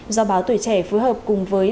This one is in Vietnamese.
do báo tuổi trẻ phù hợp cùng với